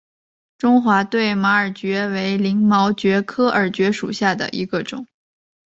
中华对马耳蕨为鳞毛蕨科耳蕨属下的一个种。